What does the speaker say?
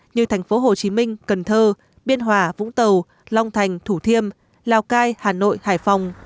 như thành phố hồ chí minh cần thơ biên hòa vũng tàu long thành thủ thiêm lào cai hà nội hải phòng